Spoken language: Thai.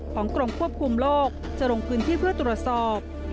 กรมควบคุมโลกจะลงพื้นที่เพื่อตรวจสอบ